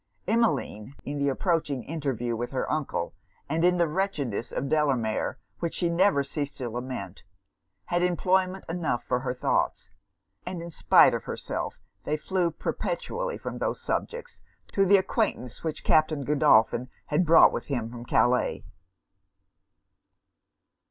Emmeline, in the approaching interview with her uncle, and in the wretchedness of Delamere, which she never ceased to lament, had employment enough for her thoughts; but in spite of herself they flew perpetually from those subjects to the acquaintance which Captain Godolphin had brought with him from Calais.